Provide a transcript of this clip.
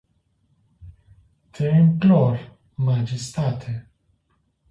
Te implor majestate.